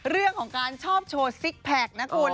เรื่องของการชอบโชว์ซิกแพคนะคุณ